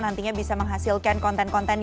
nantinya bisa menghasilkan konten konten